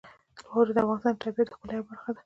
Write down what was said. واوره د افغانستان د طبیعت د ښکلا یوه برخه ده.